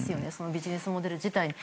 ビジネスモデル自体に。